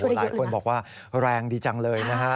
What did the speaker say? หลายคนบอกว่าแรงดีจังเลยนะฮะ